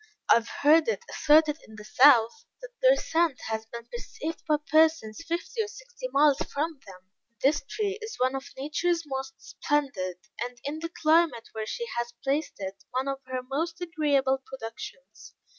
I have heard it asserted in the South, that their scent has been perceived by persons fifty or sixty miles from them. This tree is one of nature's most splendid, and in the climate where she has placed it, one of her most agreeable productions.